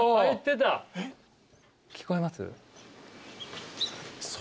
聞こえます？